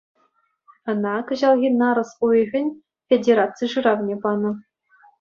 Ӑна кӑҫалхи нарӑс уйӑхӗн федераци шыравне панӑ.